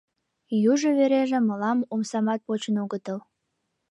Южо вереже мылам омсамат почын огытыл...